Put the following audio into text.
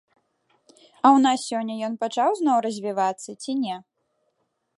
А ў нас сёння ён пачаў зноў развівацца ці не?